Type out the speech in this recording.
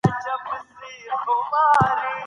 ازادي راډیو د سوداګري په اړه سیمه ییزې پروژې تشریح کړې.